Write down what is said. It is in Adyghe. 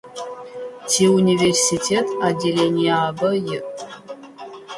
Тиуниверситет отделениябэ иӏ.